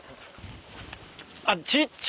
あっちっちゃ！